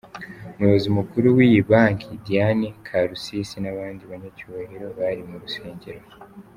Umuyobozi mukuru w’iyi Banki Diane Karusisi n’abandi banyacyubahiro bari mu rusengero.